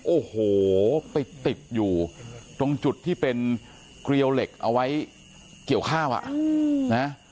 โอ้โหไปติดอยู่ตรงจุดที่เป็นเกลียวเหล็กเอาไว้เกี่ยวข้าวอ่ะนะ